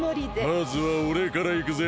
まずはおれからいくぜ。